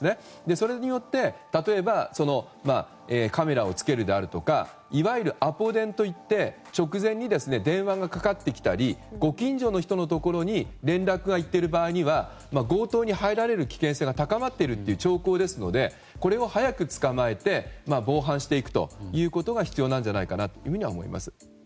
それによって例えばカメラをつけるであるとかいわゆるアポ電といって直前に電話がかかってきたりご近所の人のところに連絡がいっている場合には強盗に入られる危険性が高まっているという兆候ですのでこれを早く捕まえて防犯していくということが必要じゃないかなと思います。